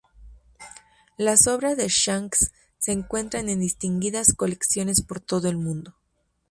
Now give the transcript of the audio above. Las obras de Shanks se encuentran en distinguidas colecciones por todo el mundo.